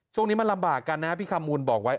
ช่วงนี้มันลำบากกันนะพี่คำมูลบอกไว้